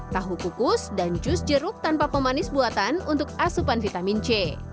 tahu kukus dan jus jeruk tanpa pemanis buatan untuk asupan vitamin c